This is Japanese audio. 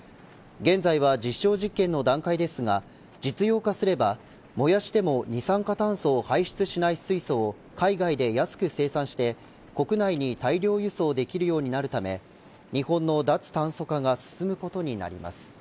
現在は実証実験の段階ですが実用化すれば燃やしても二酸化炭素を排出しない水素を海外で安く生産して国内に大量輸送できるようになるため日本の脱炭素化が進むことになります。